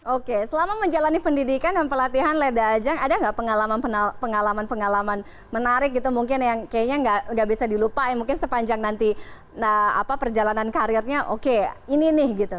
oke selama menjalani pendidikan dan pelatihan leda ajang ada nggak pengalaman pengalaman menarik gitu mungkin yang kayaknya nggak bisa dilupain mungkin sepanjang nanti perjalanan karirnya oke ini nih gitu